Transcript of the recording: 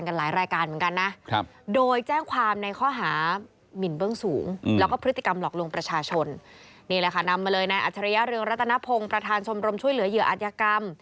นายอัจฉริยะเรืองรัตนพงศ์ประธานชมรมช่วยเหลือเหยื่ออาจยกรรม